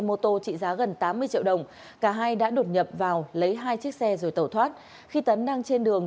mô tô trị giá gần tám mươi triệu đồng cả hai đã đột nhập vào lấy hai chiếc xe rồi tẩu thoát khi tấn đang trên đường